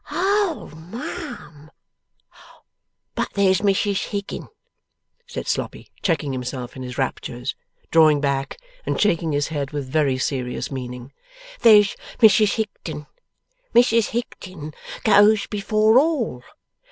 'Oh, mum! But there's Mrs Higden,' said Sloppy, checking himself in his raptures, drawing back, and shaking his head with very serious meaning. 'There's Mrs Higden. Mrs Higden goes before all.